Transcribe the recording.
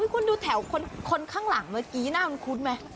คุณดูแถวคนข้างหลังเมื่อกี้น่าวนคุ้นมั้ย